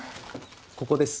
ここです。